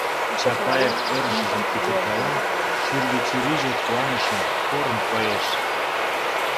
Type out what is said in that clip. Чапаев ӧрышыжым пӱтыркала, шӱргӧ чурийже куанышын, порын коеш: